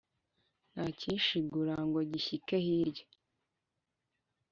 Ntakishigura ngo gishyike hirya.